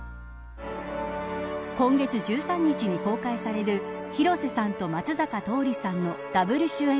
今月１３日に公開される広瀬さんと松坂桃李さんのダブル主演